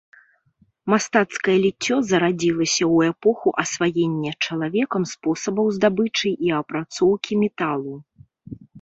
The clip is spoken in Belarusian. Мастацкае ліццё зарадзілася ў эпоху асваення чалавекам спосабаў здабычы і апрацоўкі металу.